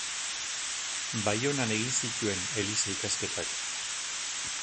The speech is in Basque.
Baionan egin zituen eliza ikasketak.